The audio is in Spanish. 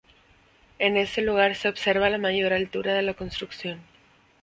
En este lugar se observa la mayor altura de la construcción.